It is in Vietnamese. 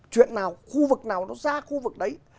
chuyện nào khu vực nào nó ra khu vực đấy